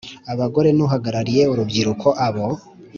Abagore n uhagarariye urubyiruko abo